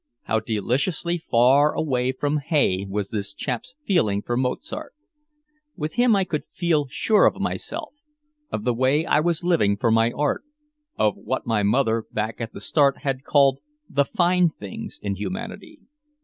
How deliciously far away from hay was this chap's feeling for Mozart. With him I could feel sure of myself, of the way I was living for my art, of what my mother way back at the start had called the "fine things" in humanity.